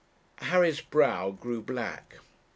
Harry's brow grew black.